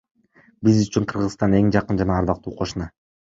Биз үчүн Кыргызстан эң жакын жана ардактуу кошуна.